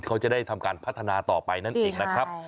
เขาจะได้ทำการพัฒนาต่อไปนั่นเองนะครับ